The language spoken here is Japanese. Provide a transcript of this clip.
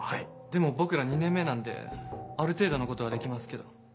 でも僕ら２年目なんである程度のことはできますけど。